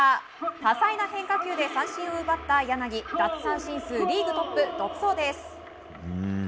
多彩な変化球で三振を奪った柳奪三振数リーグトップ独走です。